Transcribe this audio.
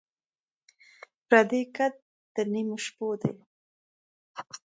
پردی کټ دَ نیمې شپې وي